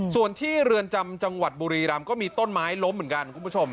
ส่วนที่เรือนจำจังหวัดบุรีรำก็มีต้นไม้ล้มเหมือนกันคุณผู้ชม